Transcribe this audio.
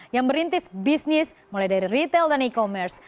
yang merintis bisnis mulai dari retail dan e commerce